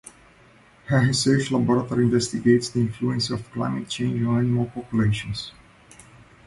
Her research laboratory investigated the influence of climate change on animal populations.